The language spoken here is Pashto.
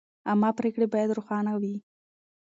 عامه پریکړې باید روښانه وي.